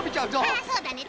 ああそうだね。